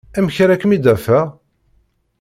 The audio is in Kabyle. Amek ara kem-id-afeɣ?